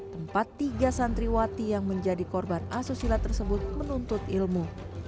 tempat tiga santriwati yang menjadi korban asusila tersebut menuntut ilmu